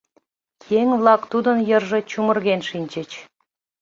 Еҥ-влак тудын йырже чумырген шинчыч.